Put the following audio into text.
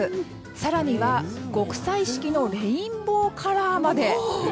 更には、極彩色のレインボーカラーまで。